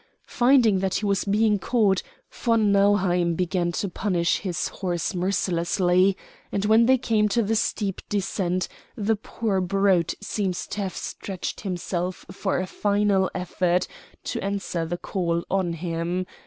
Finding that he was being caught, von Nauheim began to punish his horse mercilessly, and when they came to the steep descent the poor brute seems to have stretched himself for a final effort to answer the call on him.